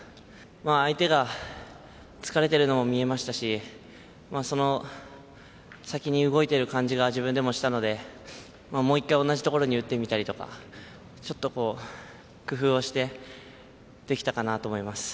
相手が疲れているのも見えましたし先に動いている感じが自分でもしたのでもう１回同じ所に打ってみたりとかちょっと工夫をしてできたかなと思います。